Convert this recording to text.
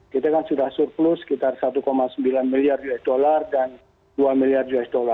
kita kan sudah surplus sekitar satu sembilan miliar usd dan dua miliar usd